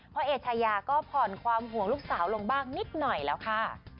เอชายาก็ผ่อนความห่วงลูกสาวลงบ้างนิดหน่อยแล้วค่ะ